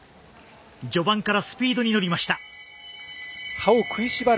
序盤からスピードに乗りました。